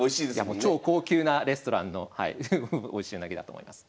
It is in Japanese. もう超高級なレストランのおいしいウナギだと思います。